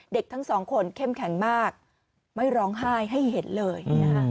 เด็กทั้งสองคนเข้มแข็งมากไม่ร้องไห้ให้เห็นเลยนะคะ